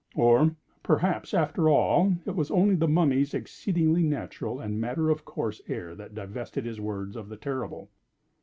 Or, perhaps, after all, it was only the Mummy's exceedingly natural and matter of course air that divested his words of the terrible.